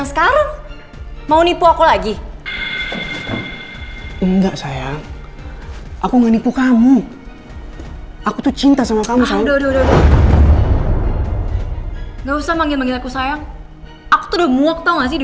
selamat jalan pak bos